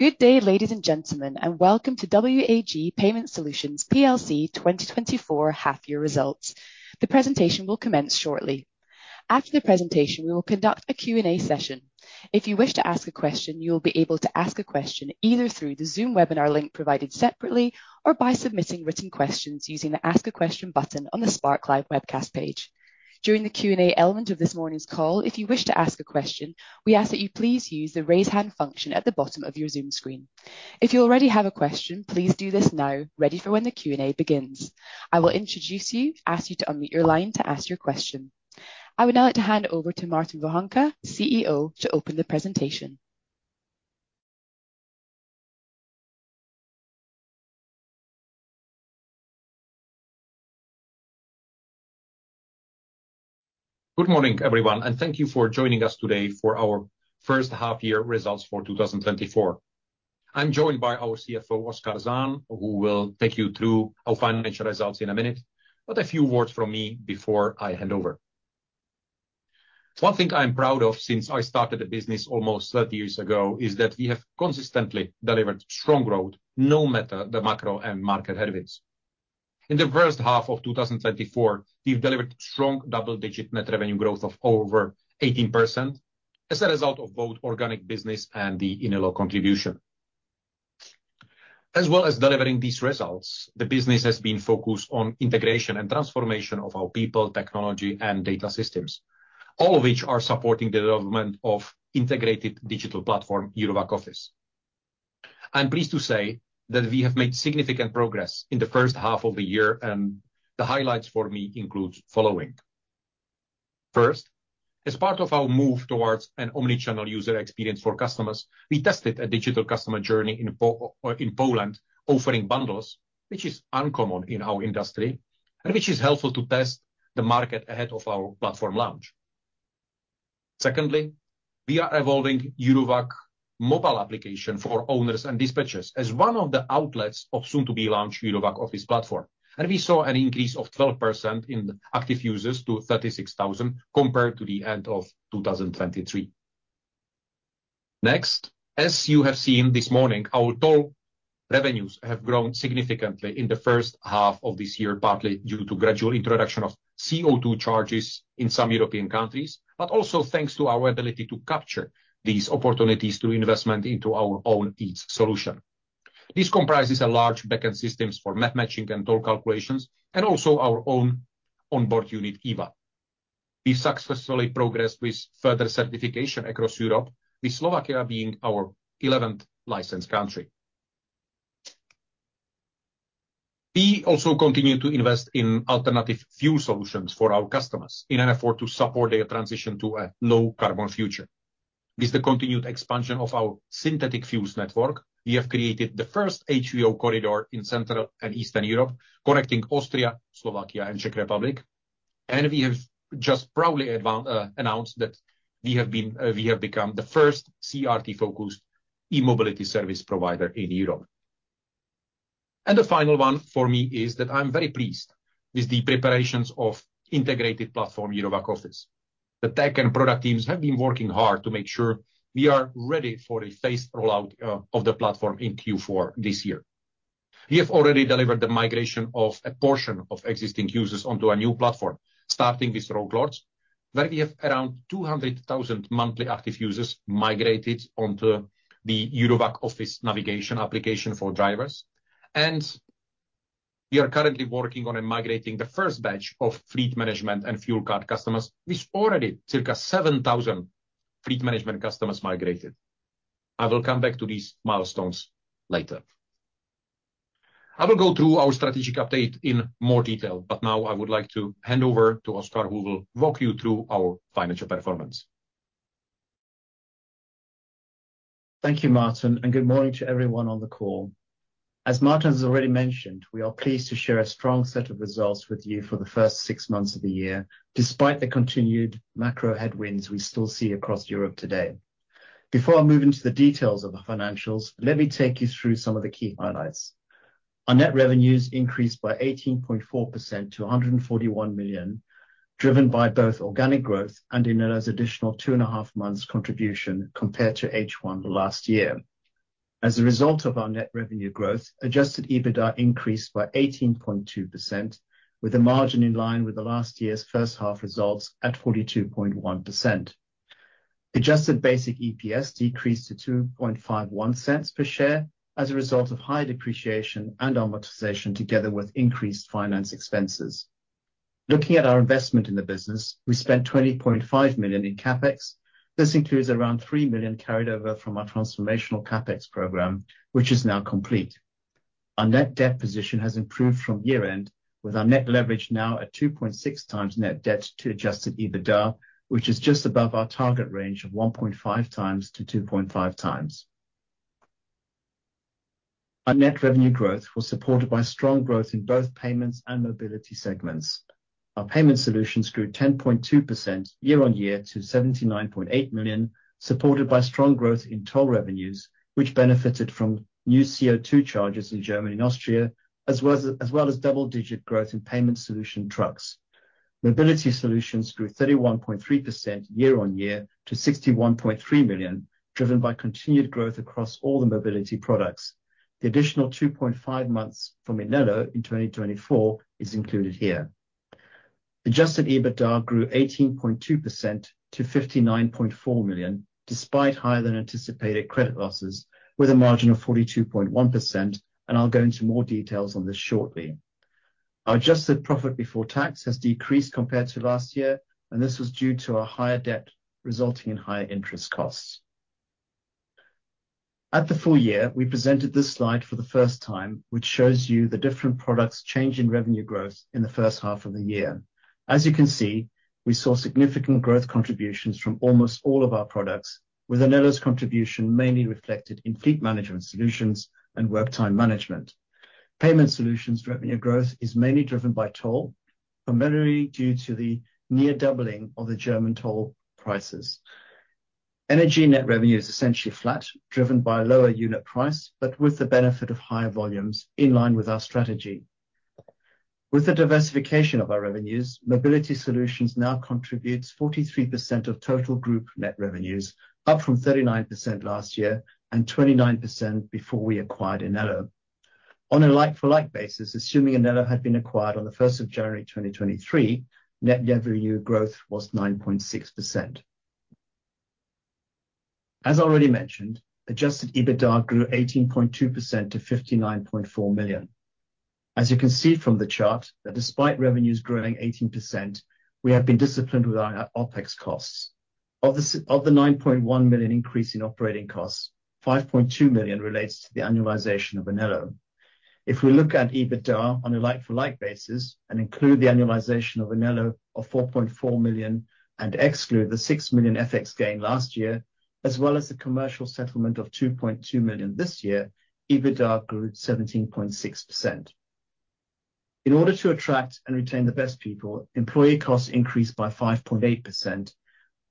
Good day, ladies and gentlemen, and welcome to WAG Payment Solutions PLC 2024 half-year results. The presentation will commence shortly. After the presentation, we will conduct a Q&A session. If you wish to ask a question, you will be able to ask a question either through the Zoom webinar link provided separately or by submitting written questions using the Ask a Question button on the SparkLive Webcast page. During the Q&A element of this morning's call, if you wish to ask a question, we ask that you please use the Raise Hand function at the bottom of your Zoom screen. If you already have a question, please do this now, ready for when the Q&A begins. I will introduce you, ask you to unmute your line to ask your question. I would now like to hand over to Martin Vohánka, CEO, to open the presentation. Good morning, everyone, and thank you for joining us today for our first half year results for two thousand and twenty-four. I'm joined by our CFO, Oskar Zahn, who will take you through our financial results in a minute. But a few words from me before I hand over. One thing I'm proud of since I started the business almost thirty years ago, is that we have consistently delivered strong growth, no matter the macro and market headwinds. In the first half of two thousand and twenty-four, we've delivered strong double-digit net revenue growth of over 18% as a result of both organic business and the Inelo contribution. As well as delivering these results, the business has been focused on integration and transformation of our people, technology, and data systems, all of which are supporting the development of integrated digital platform, Eurowag Office. I'm pleased to say that we have made significant progress in the first half of the year, and the highlights for me include following: First, as part of our move towards an omni-channel user experience for customers, we tested a digital customer journey in Poland, offering bundles, which is uncommon in our industry, and which is helpful to test the market ahead of our platform launch. Secondly, we are evolving Eurowag mobile application for owners and dispatchers as one of the outlets of soon-to-be-launched Eurowag Office platform, and we saw an increase of 12% in active users to 36,000 compared to the end of 2023. Next, as you have seen this morning, our toll revenues have grown significantly in the first half of this year, partly due to gradual introduction of CO2 charges in some European countries, but also thanks to our ability to capture these opportunities through investment into our own OBU solution. This comprises a large backend systems for map matching and toll calculations and also our own onboard unit, EVA. We successfully progressed with further certification across Europe, with Slovakia being our eleventh licensed country. We also continue to invest in alternative fuel solutions for our customers in an effort to support their transition to a low-carbon future. With the continued expansion of our synthetic fuels network, we have created the first HVO corridor in Central and Eastern Europe, connecting Austria, Slovakia, and Czech Republic. And we have just proudly announced that we have been... We have become the first CRT-focused e-mobility service provider in Europe. And the final one for me is that I'm very pleased with the preparations of integrated platform Eurowag Office. The tech and product teams have been working hard to make sure we are ready for a phased rollout of the platform in Q4 this year. We have already delivered the migration of a portion of existing users onto a new platform, starting with RoadLords, where we have around 200,000 monthly active users migrated onto the Eurowag Office navigation application for drivers. And we are currently working on migrating the first batch of fleet management and fuel card customers, with already circa 7,000 fleet management customers migrated. I will come back to these milestones later. I will go through our strategic update in more detail, but now I would like to hand over to Oskar, who will walk you through our financial performance. Thank you, Martin, and good morning to everyone on the call. As Martin has already mentioned, we are pleased to share a strong set of results with you for the first six months of the year, despite the continued macro headwinds we still see across Europe today. Before I move into the details of the financials, let me take you through some of the key highlights. Our net revenues increased by 18.4% to 141 million, driven by both organic growth and Inelo's additional two and a half months contribution compared to H1 last year. As a result of our net revenue growth, Adjusted EBITDA increased by 18.2%, with a margin in line with the last year's first half results at 42.1%. Adjusted basic EPS decreased to 0.0251 per share as a result of high depreciation and amortization, together with increased finance expenses. Looking at our investment in the business, we spent 20.5 million in CapEx. This includes around 3 million carried over from our transformational CapEx program, which is now complete. Our net debt position has improved from year-end, with our net leverage now at 2.6 times net debt to adjusted EBITDA, which is just above our target range of 1.5 times to 2.5 times. Our net revenue growth was supported by strong growth in both payments and mobility segments. Our payment solutions grew 10.2% year on year to 79.8 million, supported by strong growth in toll revenues, which benefited from new CO2 charges in Germany and Austria, as well as double-digit growth in payment solution trucks. Mobility solutions grew 31.3% year on year to 61.3 million, driven by continued growth across all the mobility products. The additional 2.5 months from Inelo in 2024 is included here. Adjusted EBITDA grew 18.2% to 59.4 million, despite higher than anticipated credit losses, with a margin of 42.1%, and I'll go into more details on this shortly. Our adjusted profit before tax has decreased compared to last year, and this was due to a higher debt, resulting in higher interest costs. At the full year, we presented this slide for the first time, which shows you the different products' change in revenue growth in the first half of the year. As you can see, we saw significant growth contributions from almost all of our products, with Inelo's contribution mainly reflected in fleet management solutions and work time management. Payment solutions revenue growth is mainly driven by toll, primarily due to the near doubling of the German toll prices. Energy net revenue is essentially flat, driven by lower unit price, but with the benefit of higher volumes in line with our strategy. With the diversification of our revenues, mobility solutions now contributes 43% of total group net revenues, up from 39% last year and 29% before we acquired Inelo. On a like-for-like basis, assuming Inelo had been acquired on the first of January 2023, net revenue growth was 9.6%. As already mentioned, adjusted EBITDA grew 18.2% to 59.4 million. As you can see from the chart, that despite revenues growing 18%, we have been disciplined with our OpEx costs. Of the nine point one million increase in operating costs, five point two million relates to the annualization of Inelo. If we look at EBITDA on a like-for-like basis and include the annualization of Inelo of four point four million and exclude the six million FX gain last year, as well as the commercial settlement of two point two million this year, EBITDA grew 17.6%. In order to attract and retain the best people, employee costs increased by 5.8%.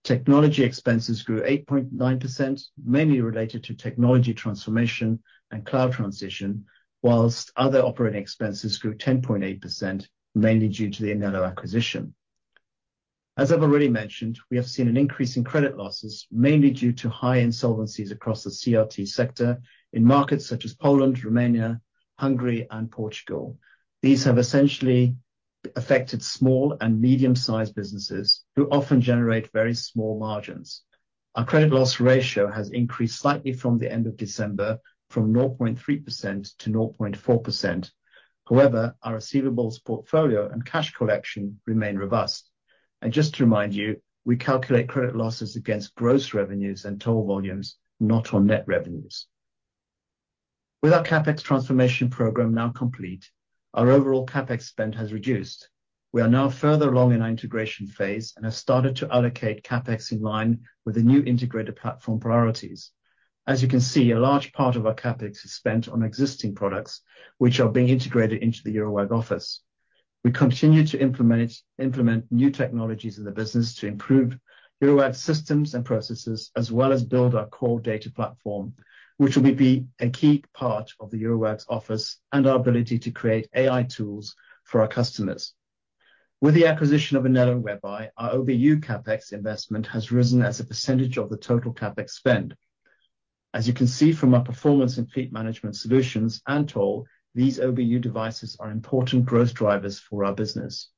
Technology expenses grew 8.9%, mainly related to technology transformation and cloud transition, while other operating expenses grew 10.8%, mainly due to the Inelo acquisition. As I've already mentioned, we have seen an increase in credit losses, mainly due to high insolvencies across the CRT sector in markets such as Poland, Romania, Hungary and Portugal. These have essentially affected small and medium-sized businesses, who often generate very small margins. Our credit loss ratio has increased slightly from the end of December, from 0.3% to 0.4%. However, our receivables portfolio and cash collection remain robust. Just to remind you, we calculate credit losses against gross revenues and toll volumes, not on net revenues. With our CapEx transformation program now complete, our overall CapEx spend has reduced. We are now further along in our integration phase and have started to allocate CapEx in line with the new integrated platform priorities. As you can see, a large part of our CapEx is spent on existing products, which are being integrated into the Eurowag Office. We continue to implement new technologies in the business to improve Eurowag's systems and processes, as well as build our core data platform, which will be a key part of the Eurowag Office and our ability to create AI tools for our customers. With the acquisition of Inelo WebEye, our OBU CapEx investment has risen as a percentage of the total CapEx spend. As you can see from our performance in fleet management solutions and toll, these OBU devices are important growth drivers for our business.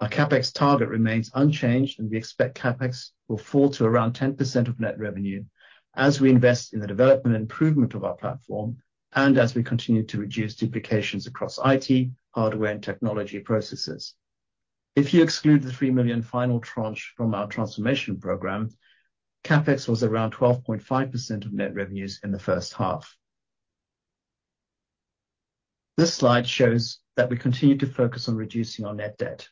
Our CapEx target remains unchanged, and we expect CapEx will fall to around 10% of net revenue as we invest in the development and improvement of our platform and as we continue to reduce duplications across IT, hardware, and technology processes. If you exclude the 3 million final tranche from our transformation program, CapEx was around 12.5% of net revenues in the first half. This slide shows that we continue to focus on reducing our net debt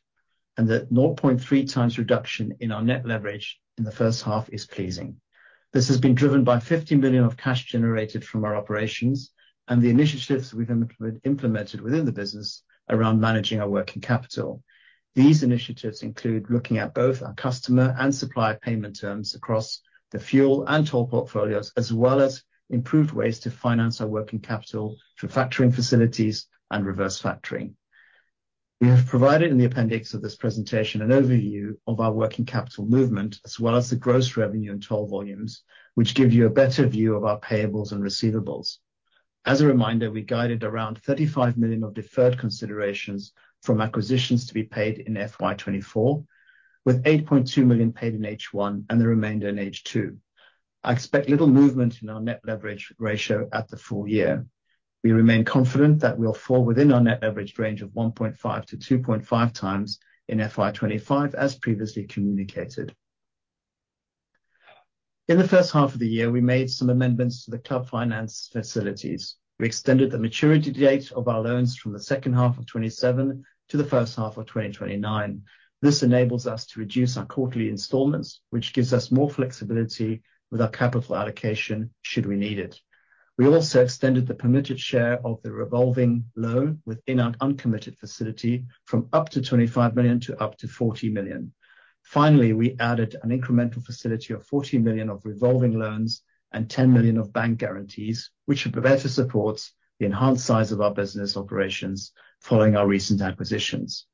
and that 0.3 times reduction in our net leverage in the first half is pleasing. This has been driven by 50 million of cash generated from our operations and the initiatives we've implemented within the business around managing our working capital. These initiatives include looking at both our customer and supplier payment terms across the fuel and toll portfolios, as well as improved ways to finance our working capital through factoring facilities and reverse factoring. We have provided in the appendix of this presentation an overview of our working capital movement, as well as the gross revenue and toll volumes, which give you a better view of our payables and receivables. As a reminder, we guided around 35 million of deferred considerations from acquisitions to be paid in FY 2024, with 8.2 million paid in H1 and the remainder in H2. I expect little movement in our net leverage ratio at the full year. We remain confident that we'll fall within our net leverage range of 1.5 to 2.5 times in FY 2025, as previously communicated. In the first half of the year, we made some amendments to the club finance facilities. We extended the maturity date of our loans from the second half of 2027 to the first half of 2029. This enables us to reduce our quarterly installments, which gives us more flexibility with our capital allocation should we need it. We also extended the permitted share of the revolving loan within our uncommitted facility from up to 25 million to up to 40 million. Finally, we added an incremental facility of 40 million of revolving loans and 10 million of bank guarantees, which should better support the enhanced size of our business operations following our recent acquisitions.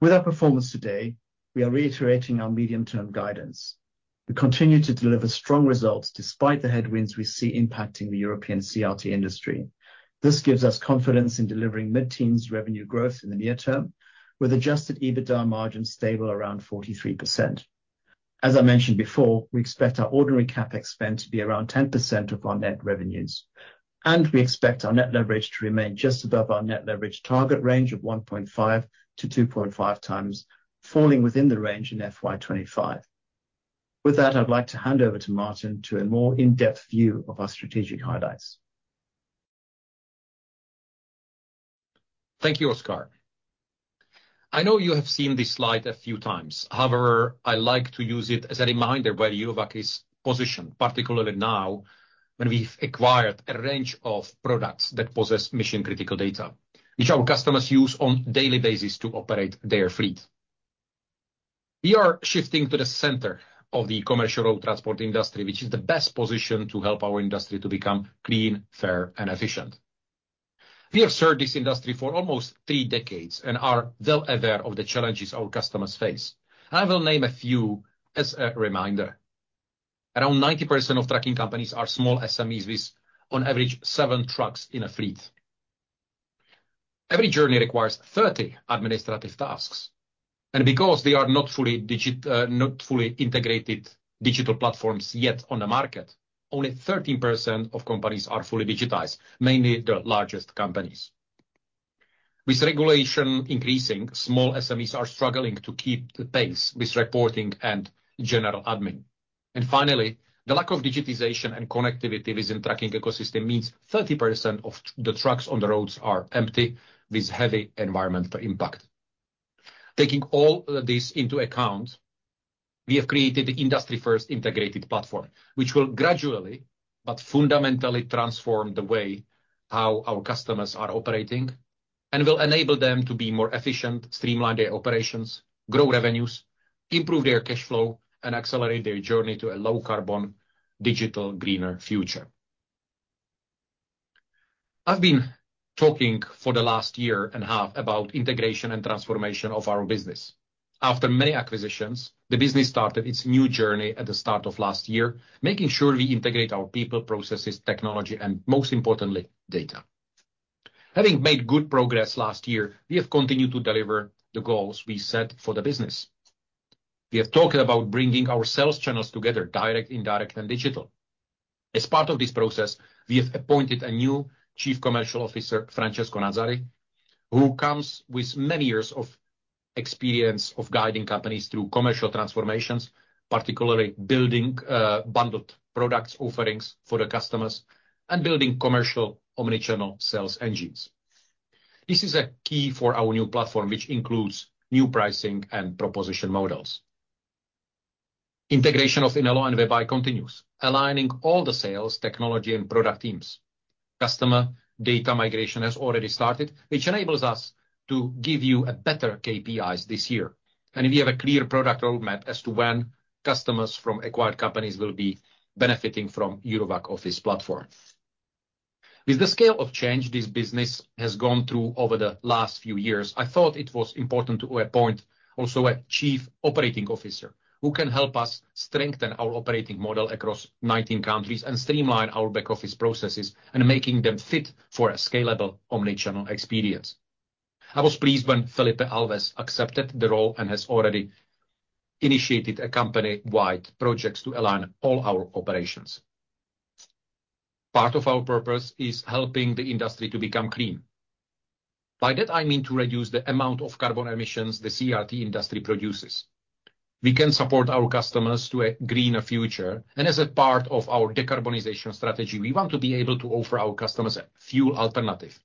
With our performance today, we are reiterating our medium-term guidance. We continue to deliver strong results despite the headwinds we see impacting the European CRT industry. This gives us confidence in delivering mid-teens revenue growth in the near term, with adjusted EBITDA margins stable around 43%. As I mentioned before, we expect our ordinary CapEx spend to be around 10% of our net revenues, and we expect our net leverage to remain just above our net leverage target range of 1.5 to 2.5 times, falling within the range in FY 2025. With that, I'd like to hand over to Martin to a more in-depth view of our strategic highlights. Thank you, Oskar. I know you have seen this slide a few times. However, I like to use it as a reminder where Eurowag is positioned, particularly now, when we've acquired a range of products that possess mission-critical data, which our customers use on daily basis to operate their fleet. We are shifting to the center of the commercial road transport industry, which is the best position to help our industry to become clean, fair, and efficient. We have served this industry for almost three decades and are well aware of the challenges our customers face. I will name a few as a reminder. Around 90% of trucking companies are small SMEs, with on average, seven trucks in a fleet. Every journey requires thirty administrative tasks, and because they are not fully integrated digital platforms yet on the market, only 13% of companies are fully digitized, mainly the largest companies. With regulation increasing, small SMEs are struggling to keep the pace with reporting and general admin. Finally, the lack of digitization and connectivity within trucking ecosystem means 30% of the trucks on the roads are empty, with heavy environmental impact. Taking all of this into account, we have created the industry-first integrated platform, which will gradually but fundamentally transform the way how our customers are operating and will enable them to be more efficient, streamline their operations, grow revenues, improve their cash flow, and accelerate their journey to a low-carbon, digital, greener future. I've been talking for the last year and a half about integration and transformation of our business. After many acquisitions, the business started its new journey at the start of last year, making sure we integrate our people, processes, technology, and most importantly, data. Having made good progress last year, we have continued to deliver the goals we set for the business. We have talked about bringing our sales channels together: direct, indirect, and digital. As part of this process, we have appointed a new Chief Commercial Officer, Francesco Nazari, who comes with many years of experience of guiding companies through commercial transformations, particularly building bundled products offerings for the customers and building commercial omni-channel sales engines. This is a key for our new platform, which includes new pricing and proposition models. Integration of Inelo and WebEye continues, aligning all the sales, technology, and product teams. Customer data migration has already started, which enables us to give you better KPIs this year. We have a clear product roadmap as to when customers from acquired companies will be benefiting from Eurowag Office platform. With the scale of change this business has gone through over the last few years, I thought it was important to appoint also a Chief Operating Officer, who can help us strengthen our operating model across 19 countries and streamline our back office processes and making them fit for a scalable, omni-channel experience. I was pleased when Felipe Alves accepted the role and has already initiated a company-wide projects to align all our operations. Part of our purpose is helping the industry to become clean. By that, I mean to reduce the amount of carbon emissions the CRT industry produces. We can support our customers to a greener future, and as a part of our decarbonization strategy, we want to be able to offer our customers a fuel alternative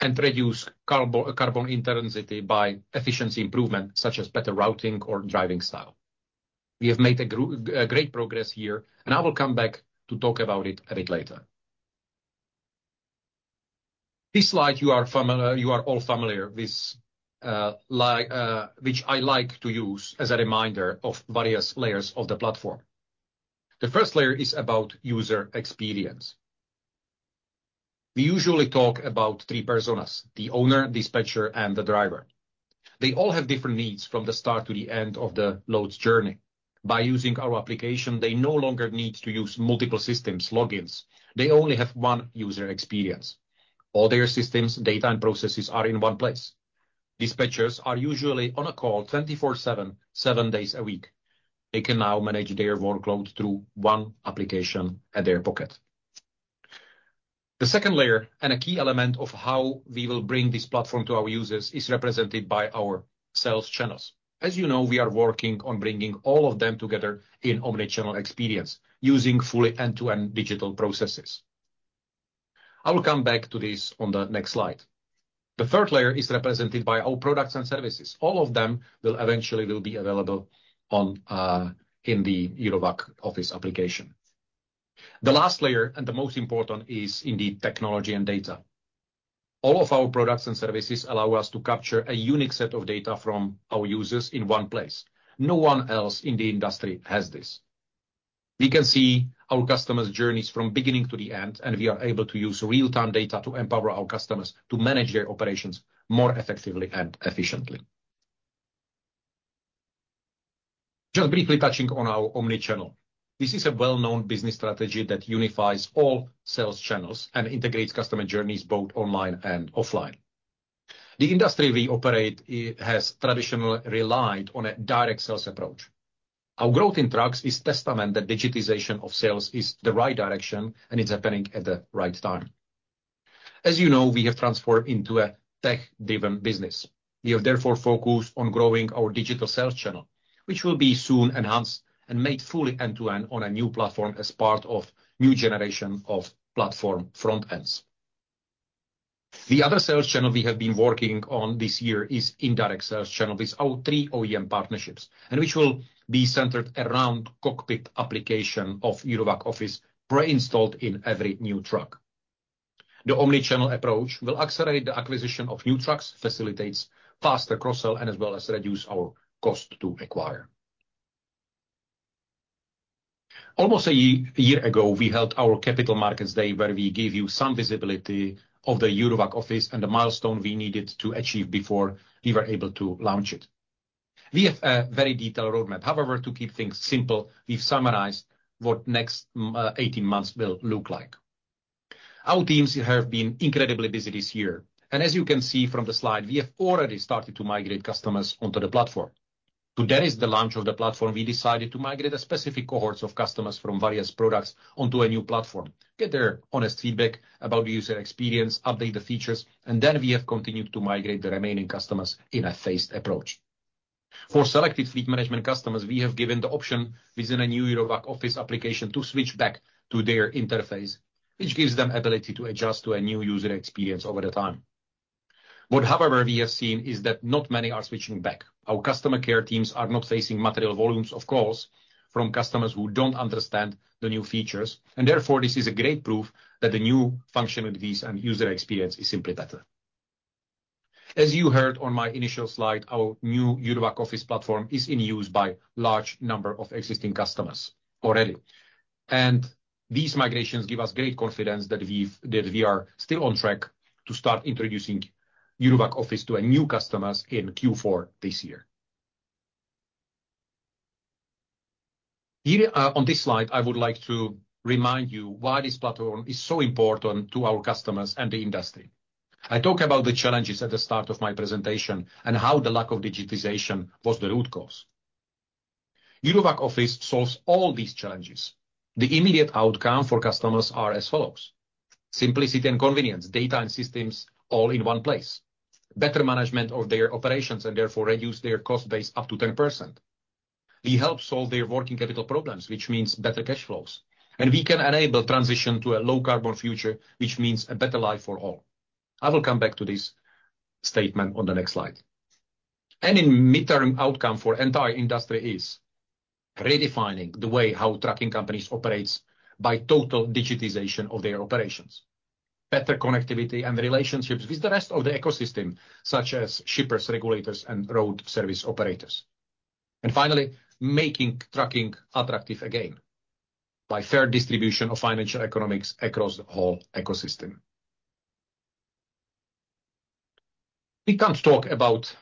and reduce carbon intensity by efficiency improvement, such as better routing or driving style. We have made a great progress here, and I will come back to talk about it a bit later. This slide, you are all familiar with, which I like to use as a reminder of various layers of the platform. The first layer is about user experience. We usually talk about three personas: the owner, dispatcher, and the driver. They all have different needs from the start to the end of the load's journey. By using our application, they no longer need to use multiple systems, logins. They only have one user experience. All their systems, data, and processes are in one place. Dispatchers are usually on call twenty-four seven, seven days a week. They can now manage their workload through one application in their pocket. The second layer, and a key element of how we will bring this platform to our users, is represented by our sales channels. As you know, we are working on bringing all of them together in omni-channel experience, using fully end-to-end digital processes. I will come back to this on the next slide. The third layer is represented by our products and services. All of them will eventually be available on, in the Eurowag Office application. The last layer, and the most important, is in the technology and data. All of our products and services allow us to capture a unique set of data from our users in one place. No one else in the industry has this. We can see our customers' journeys from beginning to the end, and we are able to use real-time data to empower our customers to manage their operations more effectively and efficiently. Just briefly touching on our omni-channel. This is a well-known business strategy that unifies all sales channels and integrates customer journeys both online and offline. The industry we operate has traditionally relied on a direct sales approach. Our growth in trucks is testament that digitization of sales is the right direction, and it's happening at the right time. As you know, we have transformed into a tech-driven business. We have therefore focused on growing our digital sales channel, which will be soon enhanced and made fully end-to-end on a new platform as part of new generation of platform front ends. The other sales channel we have been working on this year is indirect sales channel with our three OEM partnerships, and which will be centered around Cockpit application of Eurowag Office pre-installed in every new truck. The omni-channel approach will accelerate the acquisition of new trucks, facilitates faster cross-sell, and as well as reduce our cost to acquire. Almost a year ago, we held our Capital Markets Day, where we gave you some visibility of the Eurowag Office and the milestone we needed to achieve before we were able to launch it. We have a very detailed roadmap. However, to keep things simple, we've summarized what next, eighteen months will look like. Our teams have been incredibly busy this year, and as you can see from the slide, we have already started to migrate customers onto the platform. to that is the launch of the platform. We decided to migrate a specific cohort of customers from various products onto a new platform, get their honest feedback about the user experience, update the features, and then we have continued to migrate the remaining customers in a phased approach. For selected fleet management customers, we have given the option within a new Eurowag Office application to switch back to their interface, which gives them ability to adjust to a new user experience over the time. What, however, we have seen is that not many are switching back. Our customer care teams are not facing material volumes of calls from customers who don't understand the new features, and therefore, this is a great proof that the new functionalities and user experience is simply better. As you heard on my initial slide, our new Eurowag Office platform is in use by large number of existing customers already. These migrations give us great confidence that we are still on track to start introducing Eurowag Office to our new customers in Q4 this year. Here, on this slide, I would like to remind you why this platform is so important to our customers and the industry. I talk about the challenges at the start of my presentation and how the lack of digitization was the root cause. Eurowag Office solves all these challenges. The immediate outcome for customers are as follows: simplicity and convenience, data and systems all in one place, better management of their operations and therefore reduce their cost base up to 10%. We help solve their working capital problems, which means better cash flows, and we can enable transition to a low-carbon future, which means a better life for all. I will come back to this statement on the next slide. And the midterm outcome for entire industry is redefining the way how trucking companies operates by total digitization of their operations, better connectivity and relationships with the rest of the ecosystem, such as shippers, regulators, and road service operators. And finally, making trucking attractive again by fair distribution of financial economics across the whole ecosystem. We can't talk about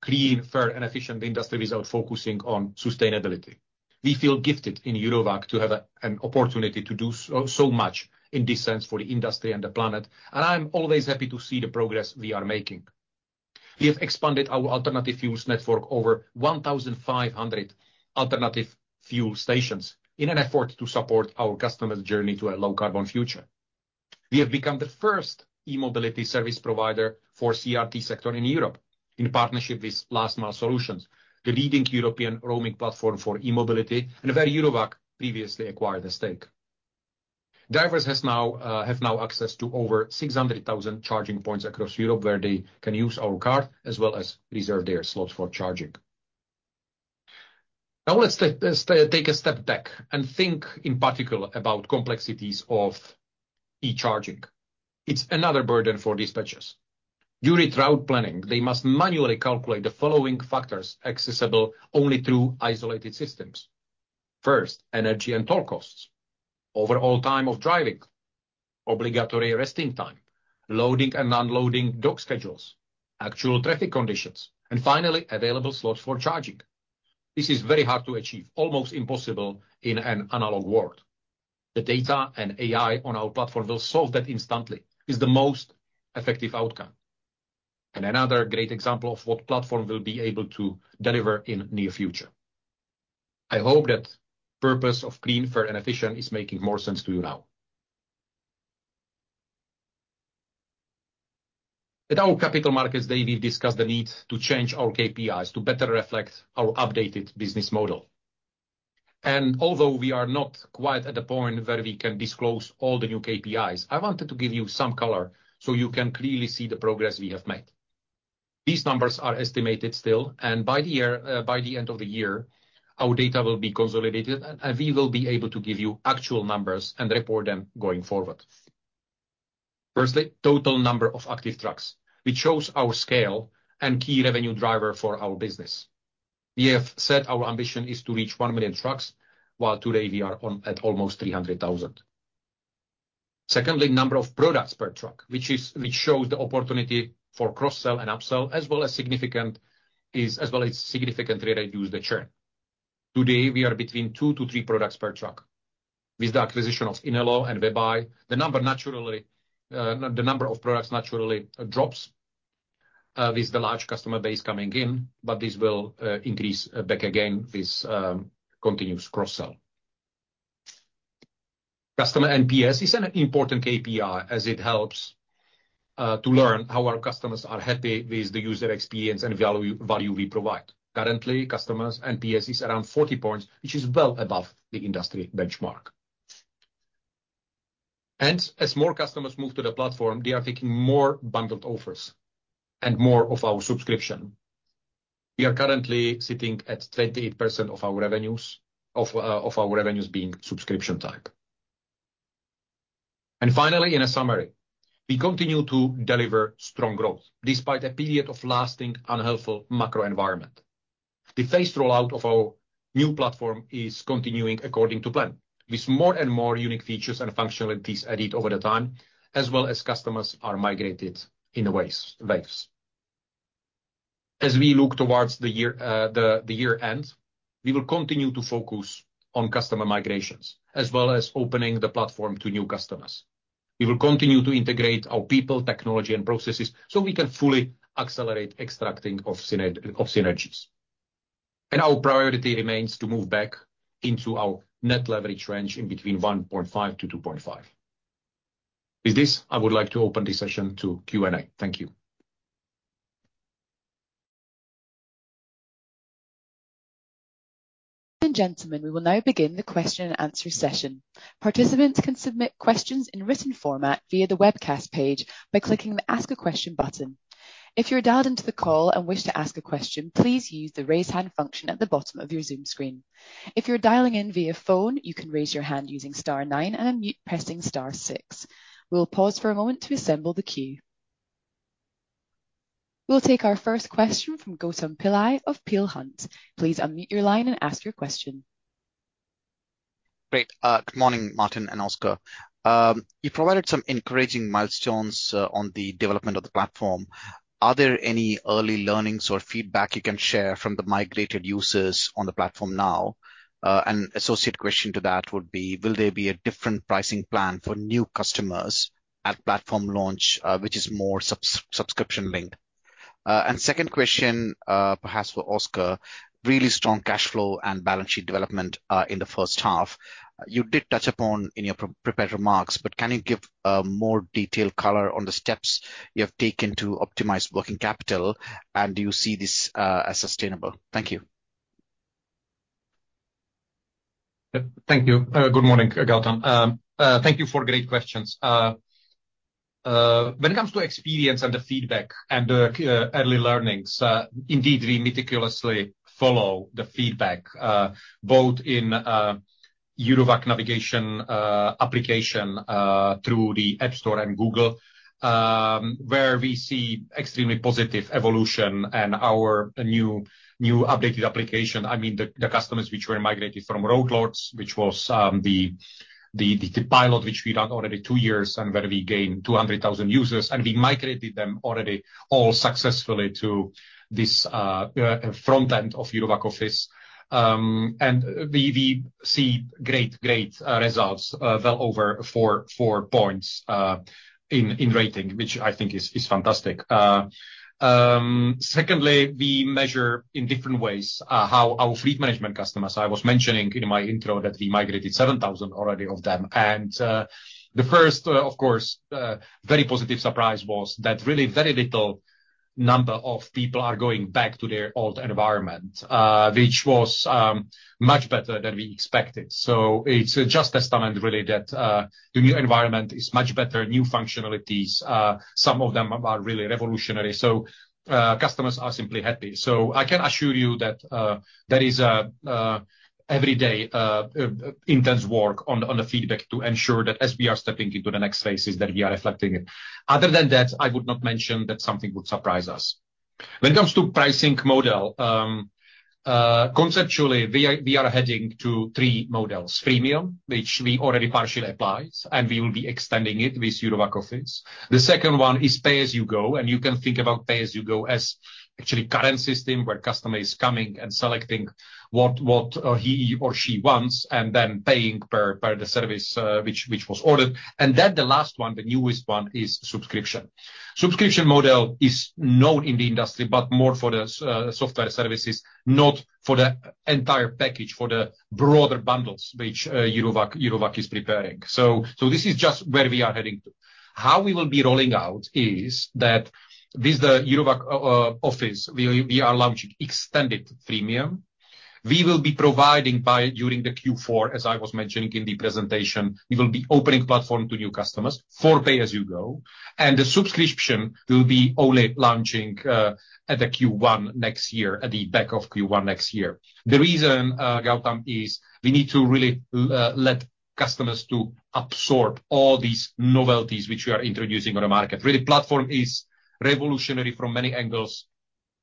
clean, fair, and efficient industry without focusing on sustainability. We feel gifted in Eurowag to have an opportunity to do so much in this sense for the industry and the planet, and I'm always happy to see the progress we are making. We have expanded our alternative fuels network over one thousand five hundred alternative fuel stations in an effort to support our customers' journey to a low-carbon future. We have become the first e-mobility service provider for CRT sector in Europe, in partnership with Last Mile Solutions, the leading European roaming platform for e-mobility and where Eurowag previously acquired a stake. Drivers has now, have now access to over six hundred thousand charging points across Europe, where they can use our card as well as reserve their slots for charging. Now, let's take a step back and think in particular about complexities of e-charging. It's another burden for dispatchers. During route planning, they must manually calculate the following factors accessible only through isolated systems. First, energy and toll costs, overall time of driving, obligatory resting time, loading and unloading dock schedules, actual traffic conditions, and finally, available slots for charging. This is very hard to achieve, almost impossible in an analog world. The data and AI on our platform will solve that instantly, is the most effective outcome, and another great example of what platform will be able to deliver in near future. I hope that purpose of clean, fair, and efficient is making more sense to you now. At our Capital Markets Day, we've discussed the need to change our KPIs to better reflect our updated business model, and although we are not quite at the point where we can disclose all the new KPIs, I wanted to give you some color so you can clearly see the progress we have made. These numbers are estimated still, and by the end of the year, our data will be consolidated, and we will be able to give you actual numbers and report them going forward. Firstly, total number of active trucks, which shows our scale and key revenue driver for our business. We have said our ambition is to reach one million trucks, while today we are on at almost three hundred thousand. Secondly, number of products per truck, which shows the opportunity for cross-sell and up-sell, as well as significantly reduce the churn. Today, we are between two to three products per truck. With the acquisition of Inelo and WebEye, the number of products naturally drops with the large customer base coming in, but this will increase back again with continuous cross-sell. Customer NPS is an important KPI as it helps to learn how our customers are happy with the user experience and value we provide. Currently, customers NPS is around 40 points, which is well above the industry benchmark. As more customers move to the platform, they are taking more bundled offers and more of our subscription. We are currently sitting at 28% of our revenues being subscription type. Finally, in a summary, we continue to deliver strong growth despite a period of lasting, unhelpful macro environment. The phased rollout of our new platform is continuing according to plan, with more and more unique features and functionalities added over the time, as well as customers are migrated in waves. As we look towards the year end, we will continue to focus on customer migrations, as well as opening the platform to new customers. We will continue to integrate our people, technology, and processes, so we can fully accelerate extracting of synergies. And our priority remains to move back into our Net Leverage range in between 1.5 to 2.5. With this, I would like to open this session to Q&A. Thank you. Ladies and gentlemen, we will now begin the question and answer session. Participants can submit questions in written format via the webcast page by clicking the Ask a Question button. If you're dialed into the call and wish to ask a question, please use the Raise Hand function at the bottom of your Zoom screen. If you're dialing in via phone, you can raise your hand using star nine and unmute pressing star six. We will pause for a moment to assemble the queue. We'll take our first question from Gautam Pillai of Peel Hunt. Please unmute your line and ask your question. Great. Good morning, Martin and Oskar. You provided some encouraging milestones on the development of the platform. Are there any early learnings or feedback you can share from the migrated users on the platform now? An associated question to that would be, will there be a different pricing plan for new customers at platform launch, which is more subscription linked? And second question, perhaps for Oskar: Really strong cash flow and balance sheet development in the first half. You did touch upon in your prepared remarks, but can you give more detailed color on the steps you have taken to optimize working capital, and do you see this as sustainable? Thank you. Thank you. Good morning, Gautam. Thank you for great questions. When it comes to experience and the feedback and the early learnings, indeed, we meticulously follow the feedback both in Eurowag Navigation application through the App Store and Google, where we see extremely positive evolution and our new updated application. I mean, the customers which were migrated from RoadLords, which was the pilot which we ran already two years, and where we gained two hundred thousand users, and we migrated them already all successfully to this front end of Eurowag Office. And we see great results, well over four points in rating, which I think is fantastic. Secondly, we measure in different ways how our fleet management customers. I was mentioning in my intro that we migrated seven thousand already of them, and the first, of course, very positive surprise was that really very little number of people are going back to their old environment, which was much better than we expected, so it's just a testament, really, that the new environment is much better, new functionalities, some of them are really revolutionary, so customers are simply happy. So I can assure you that there is a everyday intense work on the feedback to ensure that as we are stepping into the next phases, that we are reflecting it. Other than that, I would not mention that something would surprise us. When it comes to pricing model, conceptually, we are heading to three models: Premium, which we already partially applies, and we will be extending it with Eurowag Office. The second one is Pay As You Go, and you can think about Pay As You Go as actually current system, where customer is coming and selecting what he or she wants and then paying per the service, which was ordered. And then the last one, the newest one, is subscription. Subscription model is known in the industry, but more for the software services, not for the entire package, for the broader bundles which Eurowag is preparing. So this is just where we are heading to. How we will be rolling out is that with the Eurowag Office, we are launching extended premium. We will be providing by, during the Q4, as I was mentioning in the presentation, we will be opening platform to new customers for Pay As You Go, and the subscription will be only launching, at the Q1 next year, at the back of Q1 next year. The reason, Gautam, is we need to really, let customers to absorb all these novelties which we are introducing on the market. Really, platform is revolutionary from many angles....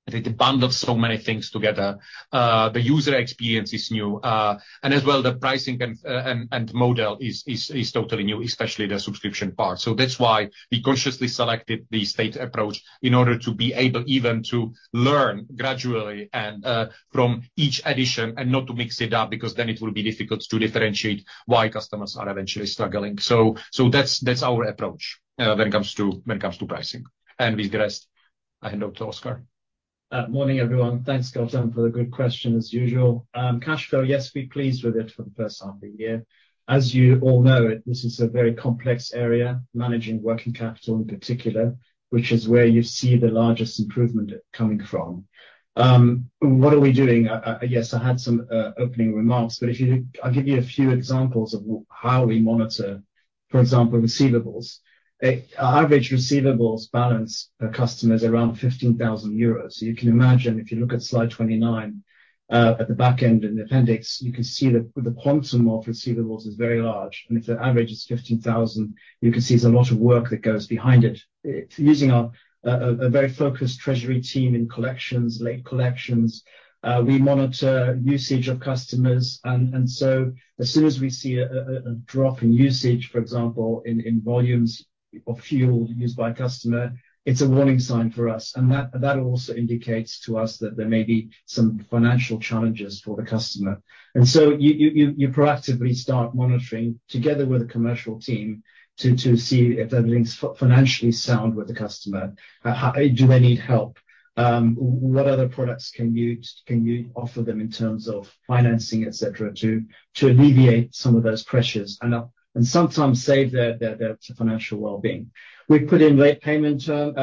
They bundle so many things together. The user experience is new, and as well, the pricing and model is totally new, especially the subscription part. That's why we consciously selected the state approach in order to be able even to learn gradually and from each addition, and not to mix it up, because then it will be difficult to differentiate why customers are eventually struggling. That's our approach when it comes to pricing. And with the rest, I hand over to Oskar. Morning, everyone. Thanks, Gautam, for the good question, as usual. Cash flow, yes, we're pleased with it for the first half of the year. As you all know, this is a very complex area, managing working capital, in particular, which is where you see the largest improvement coming from. What are we doing? Yes, I had some opening remarks, but if you- I'll give you a few examples of how we monitor, for example, receivables. Our average receivables balance per customer is around 15,000 euros. So you can imagine, if you look at slide 29, at the back end in the appendix, you can see that the quantum of receivables is very large, and if the average is 15,000, you can see it's a lot of work that goes behind it. It's using a very focused treasury team in collections, late collections. We monitor usage of customers, and so as soon as we see a drop in usage, for example, in volumes of fuel used by a customer, it's a warning sign for us. And that also indicates to us that there may be some financial challenges for the customer. And so you proactively start monitoring together with the commercial team to see if everything's financially sound with the customer. Do they need help? What other products can you offer them in terms of financing, et cetera, to alleviate some of those pressures, and sometimes save their financial well-being. We've put in late payment term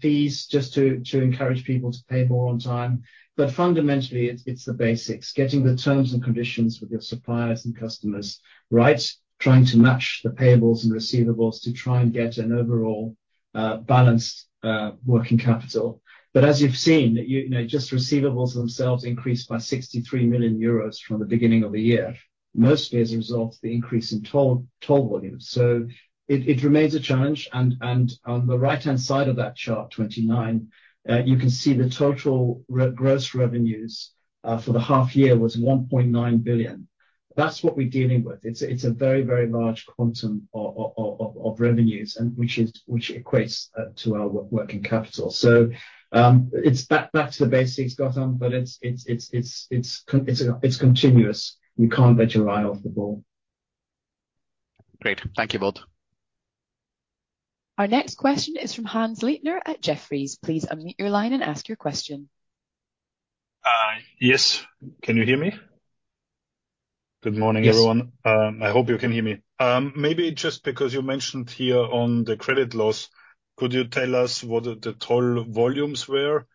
fees, just to encourage people to pay more on time. But fundamentally, it's the basics: getting the terms and conditions with your suppliers and customers right, trying to match the payables and receivables to try and get an overall balanced working capital. But as you've seen, you know, just receivables themselves increased by 63 million euros from the beginning of the year, mostly as a result of the increase in toll volumes. So it remains a challenge, and on the right-hand side of that chart 29, you can see the total gross revenues for the half year was 1.9 billion EUR. That's what we're dealing with. It's a very large quantum of revenues, and which equates to our working capital. So it's back to the basics, Gautam, but it's continuous. You can't take your eye off the ball. Great. Thank you both. Our next question is from Hannes Leitner at Jefferies. Please unmute your line and ask your question. Yes. Can you hear me? Good morning, everyone. Yes. I hope you can hear me. Maybe just because you mentioned here on the credit loss, could you tell us what the toll volumes were?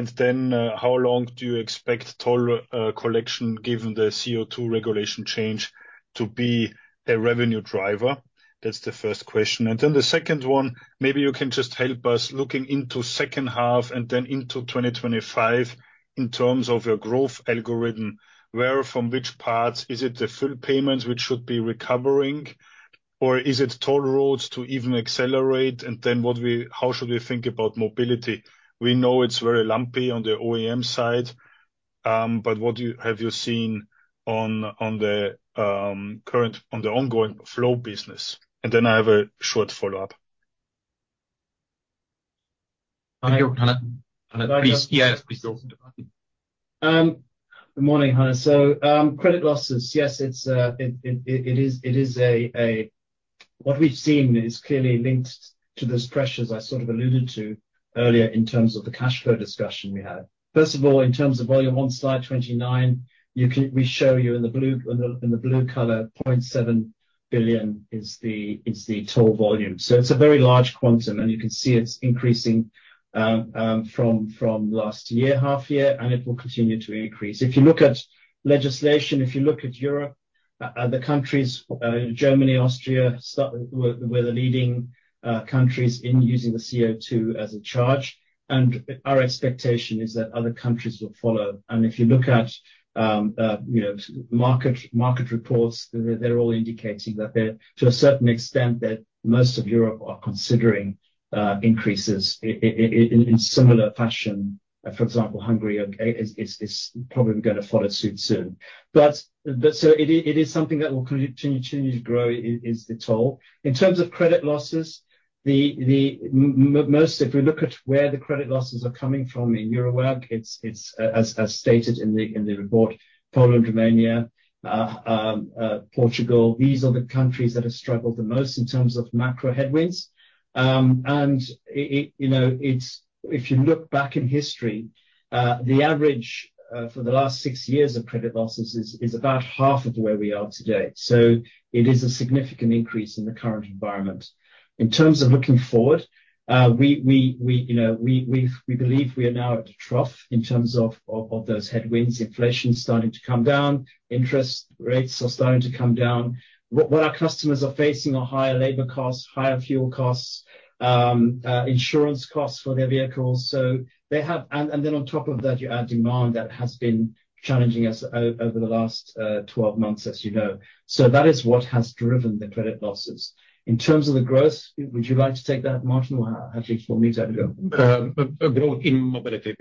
And then, how long do you expect toll collection, given the CO2 regulation change, to be a revenue driver? That's the first question. And then the second one, maybe you can just help us, looking into second half and then into 2025 in terms of your growth algorithm, where from which parts? Is it the fuel payments which should be recovering, or is it toll roads to even accelerate? And then how should we think about mobility? We know it's very lumpy on the OEM side, but what have you seen on the current, on the ongoing flow business? And then I have a short follow-up. Thank you, Hannes. Hannes, please, yes, please go. Good morning, Hans. So, credit losses, yes, it is a... What we've seen is clearly linked to those pressures I sort of alluded to earlier in terms of the cash flow discussion we had. First of all, in terms of volume, on Slide 29, we show you in the blue color, 0.7 billion is the toll volume. So it's a very large quantum, and you can see it's increasing from last year, half year, and it will continue to increase. If you look at legislation, if you look at Europe, the countries, Germany, Austria, were the leading countries in using the CO2 as a charge, and our expectation is that other countries will follow. And if you look at, you know, market reports, they're all indicating that there, to a certain extent, that most of Europe are considering increases in similar fashion. For example, Hungary is probably gonna follow suit soon. But so it is something that will continue to grow is the toll. In terms of credit losses, the most, if we look at where the credit losses are coming from in Eurowag, it's as stated in the report, Poland, Romania, Portugal, these are the countries that have struggled the most in terms of macro headwinds. And you know, it's... If you look back in history, the average for the last six years of credit losses is about half of where we are today. So it is a significant increase in the current environment. In terms of looking forward, you know, we believe we are now at a trough in terms of those headwinds. Inflation is starting to come down. Interest rates are starting to come down. What our customers are facing are higher labor costs, higher fuel costs, insurance costs for their vehicles, so they have, and then on top of that, you add demand that has been challenging us over the last 12 months, as you know. So that is what has driven the credit losses. In terms of the growth, would you like to take that, Martin, or, I think we'll move that go? In mobility,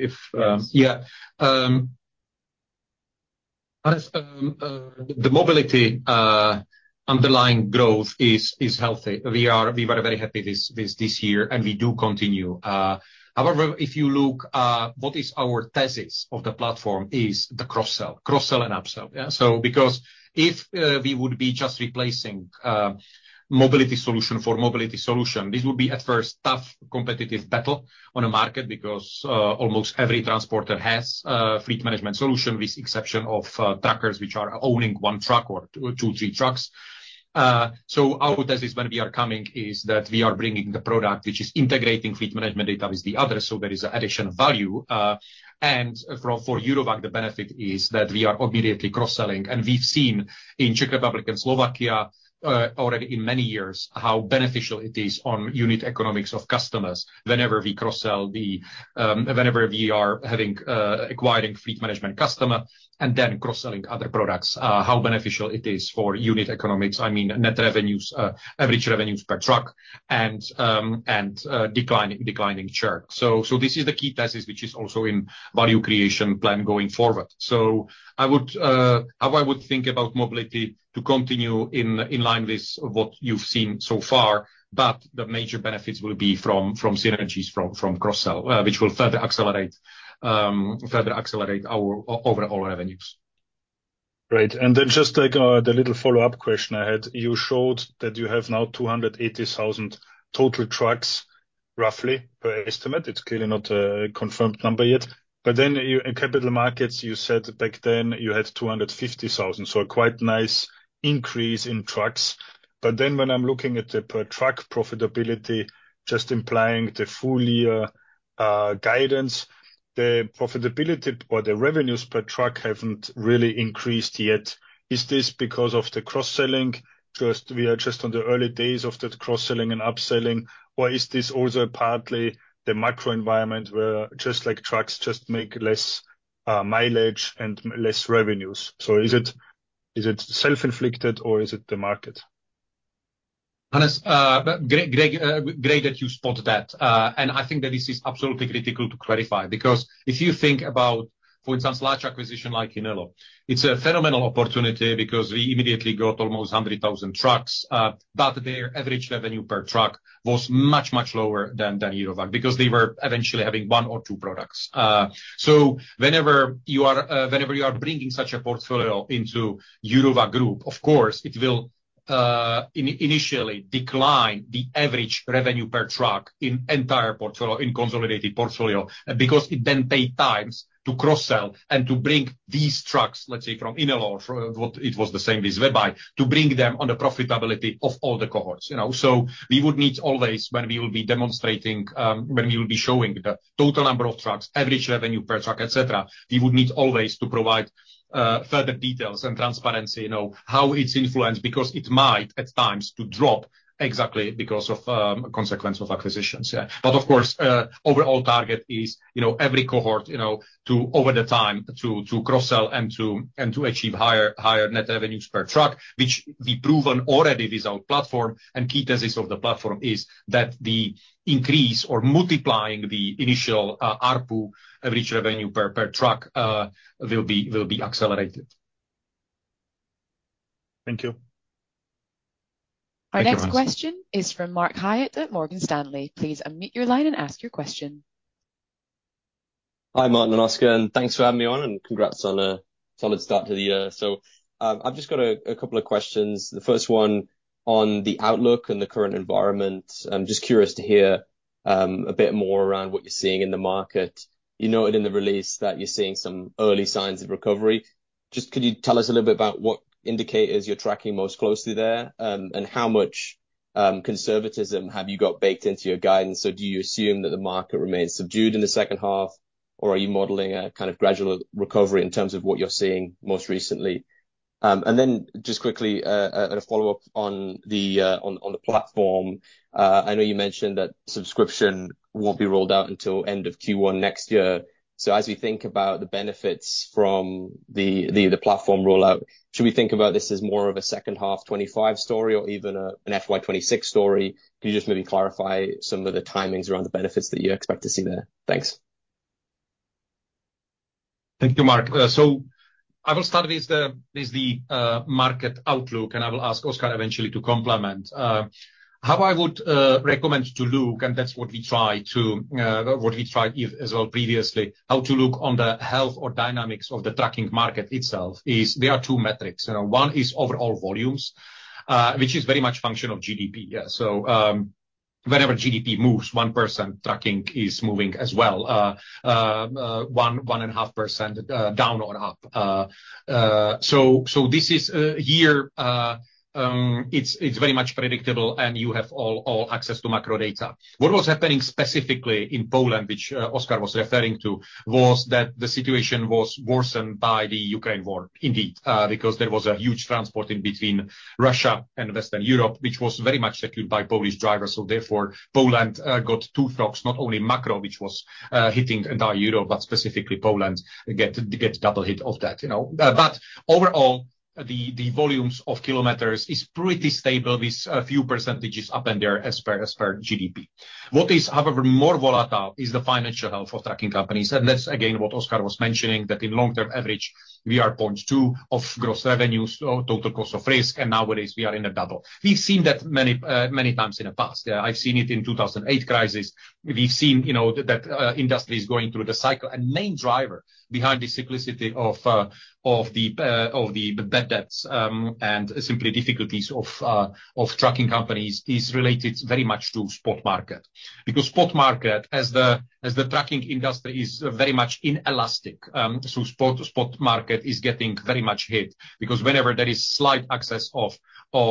Hannes, the mobility underlying growth is healthy. We were very happy this year, and we do continue. However, if you look, what is our thesis of the platform is the cross-sell. Cross-sell and up-sell, yeah? So because if we would be just replacing mobility solution for mobility solution, this would be at first tough competitive battle on a market, because almost every transporter has a fleet management solution, with exception of truckers which are owning one truck or two, three trucks. So our thesis when we are coming is that we are bringing the product, which is integrating fleet management data with the other, so there is additional value, and for Eurowag, the benefit is that we are immediately cross-selling. We've seen in Czech Republic and Slovakia already in many years how beneficial it is on unit economics of customers whenever we are having acquiring fleet management customer and then cross-selling other products how beneficial it is for unit economics. I mean, net revenues, average revenues per truck and declining churn. This is the key thesis, which is also in value creation plan going forward. I would how I would think about mobility to continue in line with what you've seen so far, but the major benefits will be from synergies, from cross-sell, which will further accelerate our overall revenues. Great. And then just, like, the little follow-up question I had, you showed that you have now two hundred and eighty thousand total trucks, roughly, per estimate. It's clearly not a confirmed number yet. But then you, in capital markets, you said back then you had two hundred and fifty thousand, so a quite nice increase in trucks. But then when I'm looking at the per truck profitability, just implying the full year, guidance, the profitability or the revenues per truck haven't really increased yet. Is this because of the cross-selling? Just, we are just on the early days of that cross-selling and upselling, or is this also partly the macro environment, where just like trucks just make less, mileage and less revenues? So is it self-inflicted, or is it the market? Hannes, great, great, great that you spot that. And I think that this is absolutely critical to clarify, because if you think about, for instance, large acquisition like Inelo, it's a phenomenal opportunity because we immediately got almost hundred thousand trucks, but their average revenue per truck was much, much lower than Eurowag, because they were eventually having one or two products. So whenever you are bringing such a portfolio into Eurowag Group, of course, it will initially decline the average revenue per truck in entire portfolio, in consolidated portfolio, because it then take times to cross-sell and to bring these trucks, let's say, from Inelo, from what it was the same as Webeye, to bring them on the profitability of all the cohorts, you know? We would need always, when we will be demonstrating, when we will be showing the total number of trucks, average revenue per truck, et cetera, we would need always to provide further details and transparency, you know, how it's influenced, because it might, at times, to drop exactly because of consequence of acquisitions. Yeah. But of course, overall target is, you know, every cohort, you know, to over the time to cross-sell and to achieve higher net revenues per truck, which we've proven already with our platform. And key thesis of the platform is that the increase or multiplying the initial ARPU, average revenue per truck, will be accelerated. Thank you. Our next question is from Mark Hyatt at Morgan Stanley. Please unmute your line and ask your question. Hi, Martin and Oskar, and thanks for having me on, and congrats on a solid start to the year. So, I've just got a couple of questions. The first one on the outlook and the current environment. I'm just curious to hear a bit more around what you're seeing in the market. You noted in the release that you're seeing some early signs of recovery. Just could you tell us a little bit about what indicators you're tracking most closely there, and how much conservatism have you got baked into your guidance? So do you assume that the market remains subdued in the second half, or are you modeling a kind of gradual recovery in terms of what you're seeing most recently? And then just quickly, and a follow-up on the platform. I know you mentioned that subscription won't be rolled out until end of Q1 next year. So as we think about the benefits from the platform rollout, should we think about this as more of a second half 2025 story or even an FY 2026 story? Could you just maybe clarify some of the timings around the benefits that you expect to see there? Thanks. Thank you, Mark. So I will start with the market outlook, and I will ask Oskar eventually to complement. How I would recommend to look, and that's what we tried as well previously, how to look on the health or dynamics of the trucking market itself is there are two metrics. You know, one is overall volumes, which is very much function of GDP. Yeah, so, whenever GDP moves 1%, trucking is moving as well, 1.5%, down or up. So this is a year, it's very much predictable, and you have all access to macro data. What was happening specifically in Poland, which Oskar was referring to, was that the situation was worsened by the Ukraine war indeed, because there was a huge transport in between Russia and Western Europe, which was very much secured by Polish drivers. So therefore, Poland got hit twice, not only macro, which was hitting entire Europe, but specifically Poland got double hit of that, you know? But overall, the volumes of kilometers is pretty stable, with a few % up in there as per GDP. What is, however, more volatile is the financial health of trucking companies, and that's again what Oskar was mentioning, that in long-term average, we are 0.2% of gross revenues, so total cost of risk, and nowadays, we are in a double. We've seen that many times in the past. Yeah, I've seen it in 2008 crisis. We've seen, you know, that industries going through the cycle. And main driver behind the cyclicity of the bad debts and simply difficulties of trucking companies is related very much to spot market. Because spot market, as the trucking industry, is very much inelastic. So spot market is getting very much hit, because whenever there is slight excess of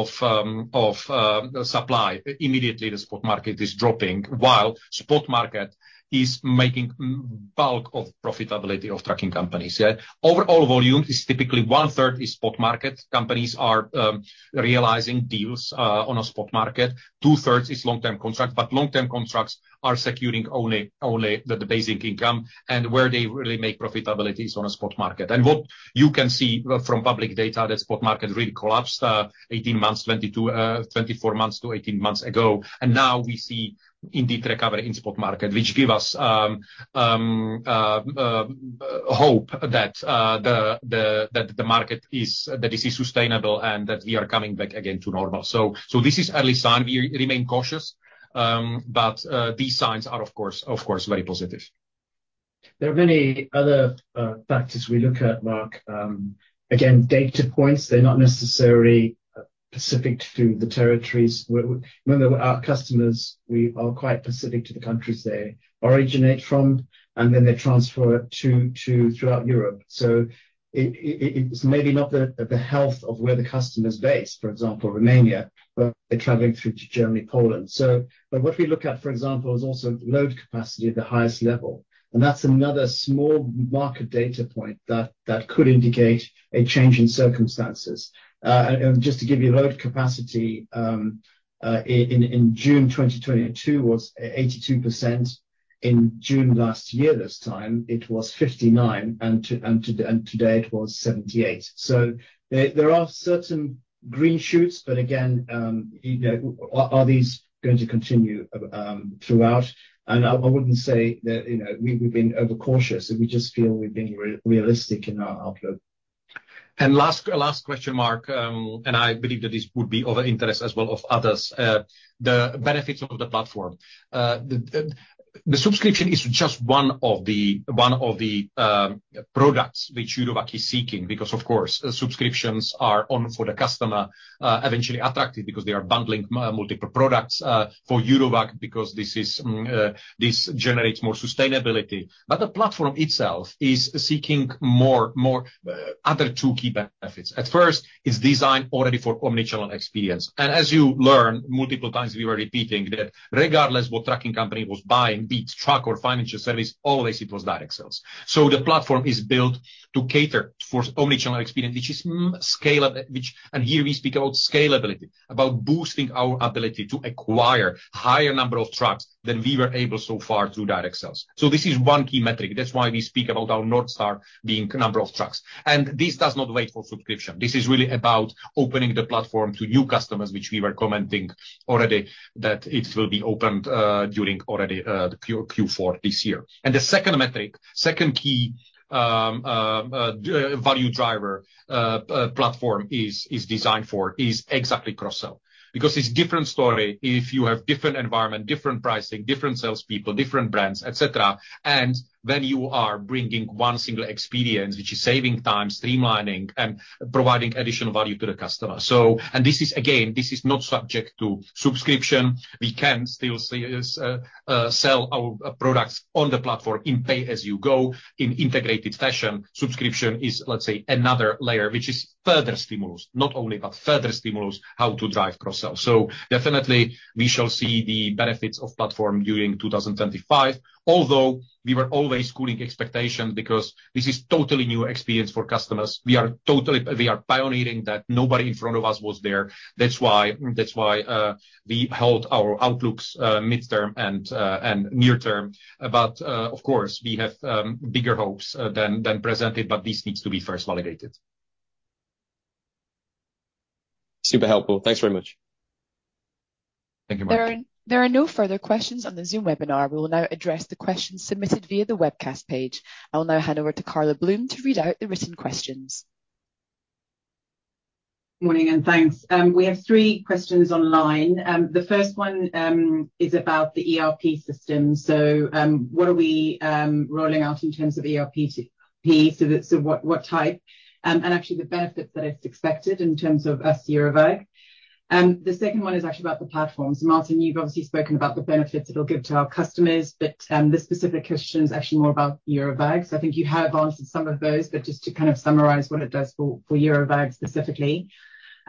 supply, immediately the spot market is dropping, while spot market is making bulk of profitability of trucking companies, yeah. Overall volume is typically one-third is spot market. Companies are realizing deals on a spot market. Two-thirds is long-term contract, but long-term contracts are securing only the basic income, and where they really make profitability is on a spot market. And what you can see from public data, that spot market really collapsed eighteen months, twenty-two, twenty-four months to eighteen months ago. And now we see indeed recovery in spot market, which give us hope that the market is... that this is sustainable and that we are coming back again to normal. So this is early sign. We remain cautious, but these signs are, of course, very positive. There are many other factors we look at, Mark. Again, data points, they're not necessarily specific to the territories. When our customers, we are quite specific to the countries they originate from, and then they transfer to throughout Europe. So it's maybe not the health of where the customer's based, for example, Romania, but they're traveling through to Germany, Poland. So but what we look at, for example, is also load capacity at the highest level, and that's another small market data point that could indicate a change in circumstances, and just to give you load capacity, in June 2022 was 82%. In June last year, this time, it was 59%, and today it was 78%. There are certain green shoots, but again, you know, are these going to continue throughout? I wouldn't say that, you know, we've been overcautious. We just feel we've been realistic in our outlook. And last question, Mark, and I believe that this would be of interest as well of others. The benefits of the platform. The subscription is just one of the products which Eurowag is seeking, because of course, subscriptions are one for the customer, eventually attractive because they are bundling multiple products for Eurowag, because this is this generates more sustainability. But the platform itself is seeking more other two key benefits. At first, it's designed already for omni-channel experience. And as you learn, multiple times we were repeating, that regardless what trucking company was buying, be it truck or financial service, always it was direct sales. So the platform is built to cater for omni-channel experience, which is scale up... Which, and here we speak about scalability, about boosting our ability to acquire higher number of trucks than we were able so far through direct sales. So this is one key metric. That's why we speak about our North Star being number of trucks. And this does not wait for subscription. This is really about opening the platform to new customers, which we were commenting already, that it will be opened during already the Q4 this year. And the second metric, second key value driver platform is designed for is exactly cross-sell. Because it's different story if you have different environment, different pricing, different salespeople, different brands, et cetera, and then you are bringing one single experience, which is saving time, streamlining, and providing additional value to the customer. So. And this is, again, this is not subject to subscription. We can still sell our products on the platform in pay-as-you-go, in integrated fashion. Subscription is, let's say, another layer, which is further stimulus, not only, but further stimulus, how to drive cross-sell. So definitely, we shall see the benefits of platform during 2025, although we were always setting expectations, because this is totally new experience for customers. We are pioneering that. Nobody in front of us was there. That's why we held our outlooks midterm and near term. But of course, we have bigger hopes than presented, but this needs to be first validated. Super helpful. Thanks very much. Thank you, Mark. There are no further questions on the Zoom webinar. We will now address the questions submitted via the webcast page. I will now hand over to Carla Bloom to read out the written questions. Morning and thanks. We have three questions online. The first one is about the ERP system. So, what are we rolling out in terms of ERP, SAP? So what type, and actually the benefits that it's expected in terms of us, Eurowag? The second one is actually about the platforms. Martin, you've obviously spoken about the benefits it'll give to our customers, but, this specific question is actually more about Eurowag. So I think you have answered some of those, but just to kind of summarize what it does for, for Eurowag specifically.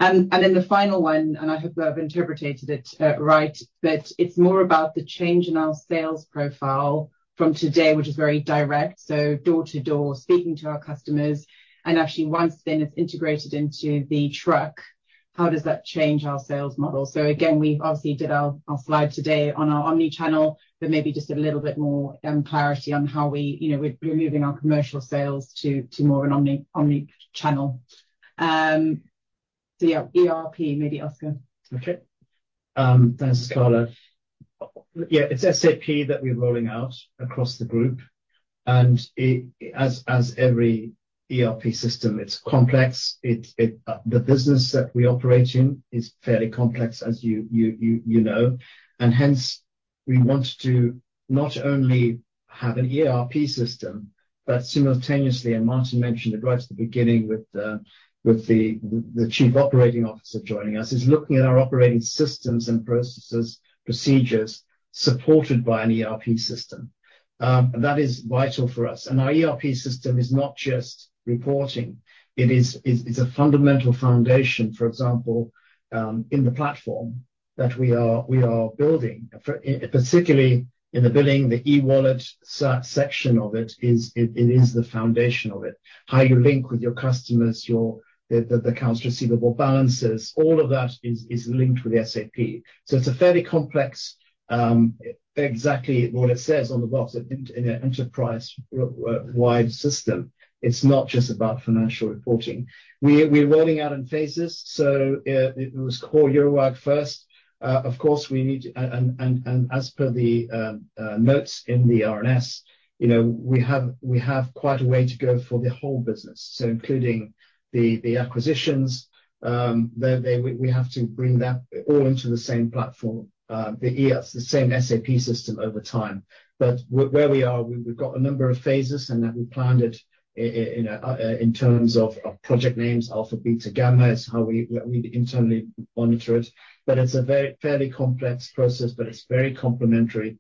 And then the final one, and I hope I've interpreted it right, but it's more about the change in our sales profile from today, which is very direct, so door to door, speaking to our customers, and actually once then it's integrated into the truck, how does that change our sales model? So again, we've obviously did our slide today on our omni-channel, but maybe just a little bit more clarity on how we, you know, we're moving our commercial sales to more of an omni-channel. So yeah, ERP, maybe, Oskar. Okay. Thanks, Carla. Yeah, it's SAP that we're rolling out across the group, and it. As every ERP system, it's complex. It. The business that we operate in is fairly complex, as you know, and hence, we want to not only have an ERP system but simultaneously, and Martin mentioned it right at the beginning with the Chief Operating Officer joining us, is looking at our operating systems and processes, procedures supported by an ERP system. That is vital for us. And our ERP system is not just reporting, it is, it's a fundamental foundation, for example, in the platform that we are building. For particularly in the billing, the e-wallet section of it, is it is the foundation of it. How you link with your customers, the accounts receivable balances, all of that is linked with SAP. So it's a fairly complex, exactly what it says on the box, an enterprise-wide system. It's not just about financial reporting. We're rolling out in phases, so it was core Eurowag first. Of course, we need to..., and as per the notes in the RNS, you know, we have quite a way to go for the whole business, so including the acquisitions, we have to bring that all into the same platform, the ERP, the same SAP system over time. But where we are, we've got a number of phases, and that we planned it in a, in terms of project names, Alpha, Beta, Gamma, is how we internally monitor it. But it's a very fairly complex process, but it's very complementary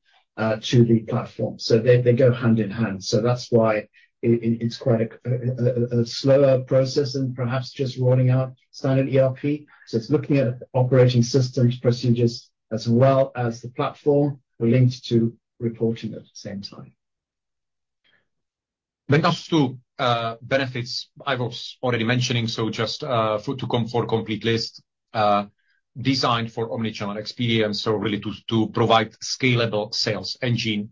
to the platform. So they go hand in hand. So that's why it's quite a slower process than perhaps just rolling out standard ERP. So it's looking at operating systems, procedures, as well as the platform. We're linked to reporting at the same time. When it comes to benefits, I was already mentioning, so just for a complete list, designed for omni-channel experience, so really to provide scalable sales engine,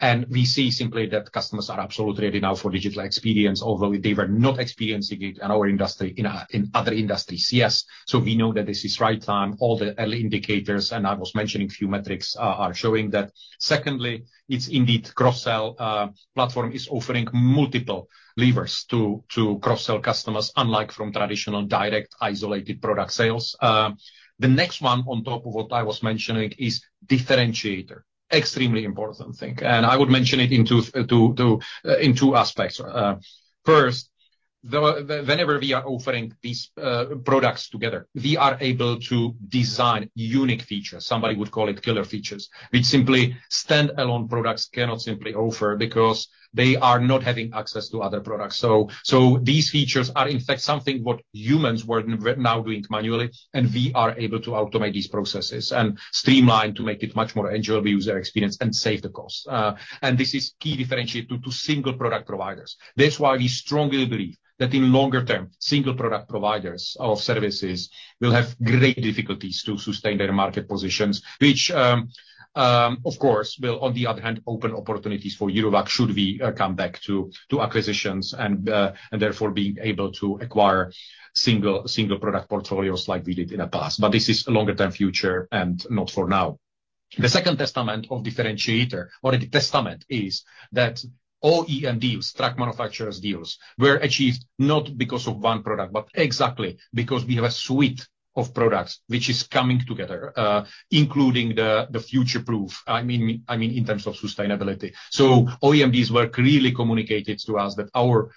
and we see simply that customers are absolutely ready now for digital experience, although they were not experiencing it in our industry, in other industries. Yes, so we know that this is right time. All the early indicators, and I was mentioning a few metrics, are showing that. Secondly, it's indeed cross-sell platform is offering multiple levers to cross-sell customers, unlike from traditional direct, isolated product sales. The next one on top of what I was mentioning is differentiator. Extremely important thing, and I would mention it in two aspects. First, whenever we are offering these products together, we are able to design unique features. Somebody would call it killer features, which simply stand-alone products cannot simply offer because they are not having access to other products. So these features are, in fact, something what humans were now doing manually, and we are able to automate these processes and streamline to make it much more enjoyable user experience and save the cost, and this is key differentiator to single product providers. That's why we strongly believe that in longer term, single product providers of services will have great difficulties to sustain their market positions, which, of course, will, on the other hand, open opportunities for Eurowag should we come back to acquisitions and therefore being able to acquire single product portfolios like we did in the past. But this is a longer-term future and not for now. The second element of differentiation, or the element, is that all OEM deals, truck manufacturers deals, were achieved not because of one product, but exactly because we have a suite of products which is coming together, including the future-proof, I mean, in terms of sustainability. So OEMs work really communicated to us that our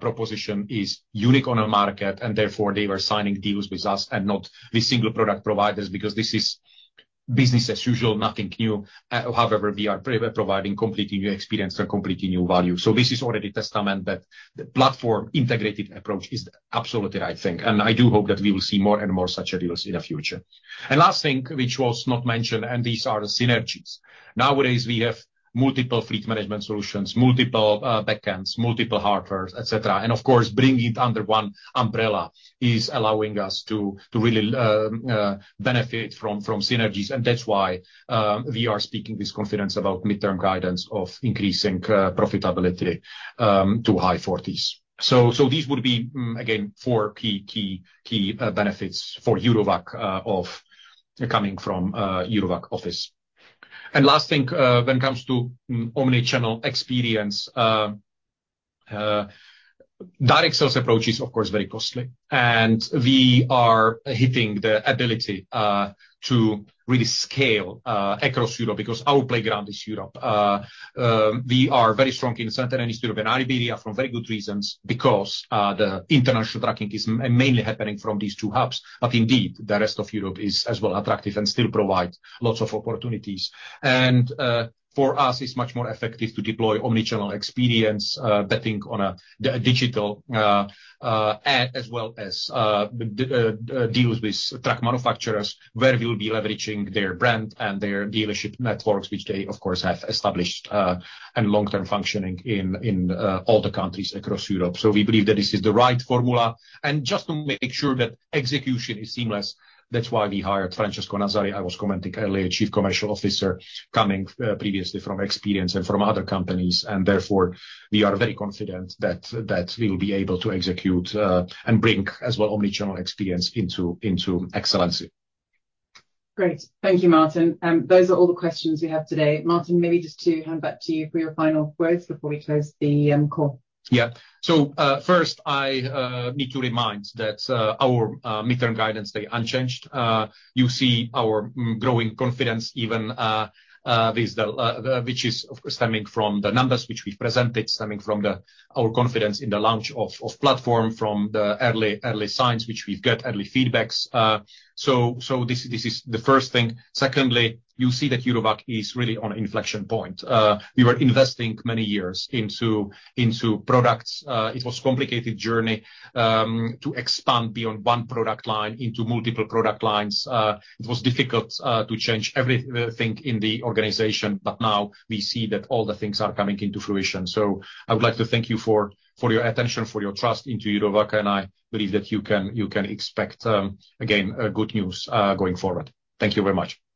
proposition is unique on the market, and therefore, they were signing deals with us and not the single product providers, because this is business as usual, nothing new. However, we are providing completely new experience and completely new value. So this is already testament that the platform integrated approach is absolutely the right thing, and I do hope that we will see more and more such deals in the future. And last thing, which was not mentioned, and these are the synergies. Nowadays, we have multiple fleet management solutions, multiple backends, multiple hardwares, et cetera. And of course, bringing it under one umbrella is allowing us to really benefit from synergies, and that's why we are speaking this confidence about midterm guidance of increasing profitability to high forties. These would be again four key benefits for Eurowag of coming from Eurowag Office. Last thing when it comes to omni-channel experience direct sales approach is of course very costly, and we are hitting the ability to really scale across Europe, because our playground is Europe. We are very strong in Central and Eastern Europe and Iberia for very good reasons, because the international trucking is mainly happening from these two hubs. Indeed the rest of Europe is as well attractive and still provides lots of opportunities. For us, it's much more effective to deploy omni-channel experience, betting on a digital as well as deals with truck manufacturers, where we will be leveraging their brand and their dealership networks, which they, of course, have established and long-term functioning in all the countries across Europe. We believe that this is the right formula. Just to make sure that execution is seamless, that's why we hired Francesco Nazzari. I was commenting earlier, Chief Commercial Officer, coming previously from experience and from other companies, and therefore, we are very confident that we will be able to execute and bring as well omni-channel experience into excellence. Great. Thank you, Martin. Those are all the questions we have today. Martin, maybe just to hand back to you for your final words before we close the, call. Yeah. So first, I need to remind that our midterm guidance stay unchanged. You see our growing confidence, even with the which is stemming from the numbers which we've presented, stemming from our confidence in the launch of platform, from the early signs, which we've got early feedbacks. So this is the first thing. Secondly, you see that Eurowag is really on an inflection point. We were investing many years into products. It was complicated journey to expand beyond one product line into multiple product lines. It was difficult to change everything in the organization, but now we see that all the things are coming into fruition. I would like to thank you for your attention, for your trust into Eurowag, and I believe that you can expect again good news going forward. Thank you very much. Thank you.